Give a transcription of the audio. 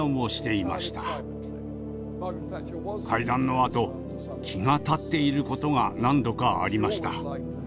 会談のあと気が立っていることが何度かありました。